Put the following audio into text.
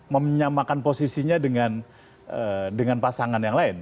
menyamakan posisinya dengan pasangan yang lain